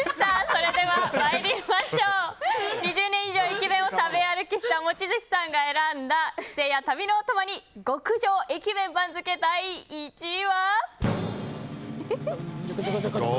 ２０年以上駅弁を食べ歩きした望月さんが選んだ帰省や旅のお供に極上駅弁番付、第１位は。